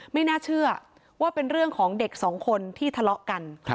ไม่น่าเชื่อว่าเป็นเรื่องของเด็กสองคนที่ทะเลาะกัน